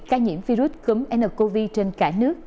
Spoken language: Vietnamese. ca nhiễm virus cúm ncov trên cả nước